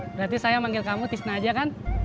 berarti saya manggil kamu tisna aja kan